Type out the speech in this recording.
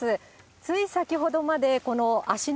つい先ほどまで、この芦ノ